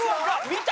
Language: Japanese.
見た？